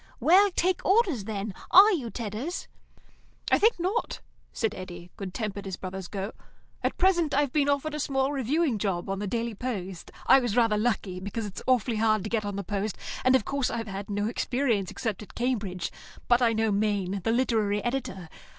"Well, take Orders, then. Are you, Tedders?" "I think not," said Eddy, good tempered as brothers go. "At present I've been offered a small reviewing job on the Daily Post. I was rather lucky, because it's awfully hard to get on the Post, and, of course, I've had no experience except at Cambridge; but I know Maine, the literary editor.